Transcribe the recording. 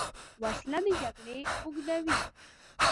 وسله د جګړې اوږدوې